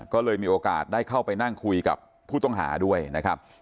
ก็เลยมีโอกาสได้เข้าไปนั่งคุยกับผู้ต้องหาด้วยนะครับ